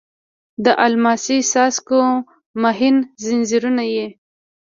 د الماسې څاڅکو مهین ځنځیرونه یې